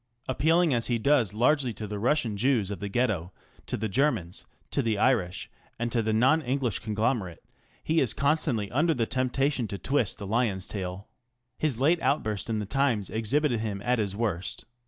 Appealing as he does largely to the Russian Jews of the Ghetto, to the Germans, to the Irish, and to the non English conglomerate, he is constantly under the temptation to twist the lion's tail. His late outburst in the Times exhibited him at bis worst.